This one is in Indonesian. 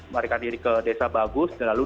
mereka diri ke desa bagus lalu